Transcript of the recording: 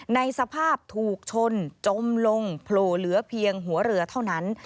ในสภาพถูกชนจมลงโผล่เหลือเพียงหัวเรือเท่านั้น